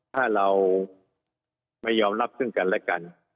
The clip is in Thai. ถ้าเราไม่ยอมรับซึ่งกันและกัน